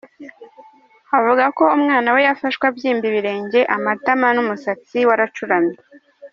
Avuga ko umwana we yafashwe abyimba ibirenge, amatama n’umusatsi waracuramye.